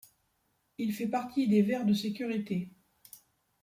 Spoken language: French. Il fait partie des verres de sécurité.